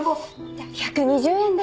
じゃあ１２０円で。